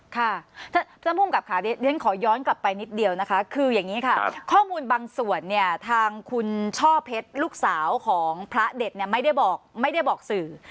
ค่ะท่านภูมิกับค่ะเรียนขอย้อนกลับไปนิดเดียวนะคะคืออย่างนี้ค่ะข้อมูลบางส่วนเนี่ยทางคุณช่อเพชรลูกสาวของพระเด็ดเนี่ยไม่ได้บอกไม่ได้บอกสื่อ